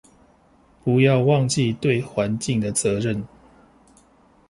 不要忘記對環境的責任